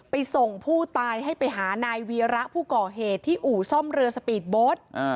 ส่งผู้ตายให้ไปหานายวีระผู้ก่อเหตุที่อู่ซ่อมเรือสปีดโบ๊ท